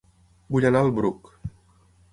Vull anar a El Bruc